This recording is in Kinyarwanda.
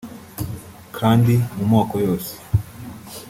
kandi mu moko yose